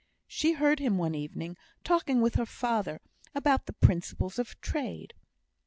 She heard him, one evening, talking with her father about the principles of trade.